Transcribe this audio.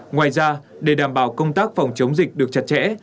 ngoài ra để đảm bảo công tác phòng chống dịch được chặt chẽ